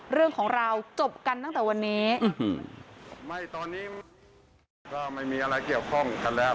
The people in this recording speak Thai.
เรื่องของเราจบกันตั้งแต่วันนี้ไม่ตอนนี้ก็ไม่มีอะไรเกี่ยวข้องกันแล้ว